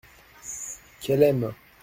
Qu’elle aime.